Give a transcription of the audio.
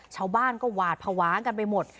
ชาวบ้านก็หวาดภาวะกันไปหมด